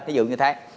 ví dụ như thế